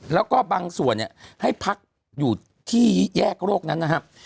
แล้วก็บางส่วนเนี่ยให้พักอยู่ที่แยกโรคนั้นนะครับ